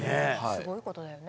すごいことだよね。